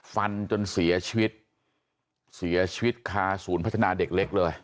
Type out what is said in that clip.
ฟันจนเสียชีวิตเสียชีวิตคาศูนย์พัฒนาเด็กเล็กเลย